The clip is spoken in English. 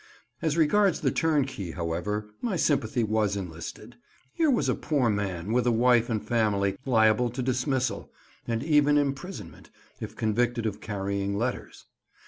As regards the turnkey, however, my sympathy was enlisted. Here was a poor man, with a wife and family, liable to dismissal, and even imprisonment, if convicted of carrying letters.